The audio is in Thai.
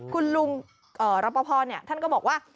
คุณลุงรับประพอเนี่ยท่านก็บอกว่า